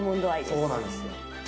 そうなんですよ。